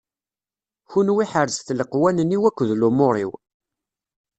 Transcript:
Kenwi ḥerzet leqwanen-iw akked lumuṛ-iw.